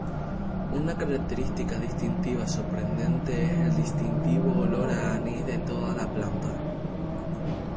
Una característica distintiva sorprendente es el distintivo olor a anís de toda la planta.